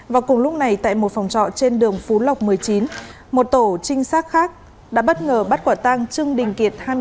và cùng lúc này tại một phòng trọ trên đường phú lộc một mươi chín một tổ trinh sát khác đã bất ngờ bắt quả tang trương đình kiệt